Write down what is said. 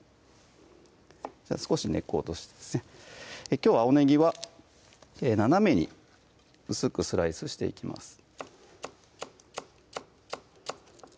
少し根っこを落としてきょうは青ねぎは斜めに薄くスライスしていきます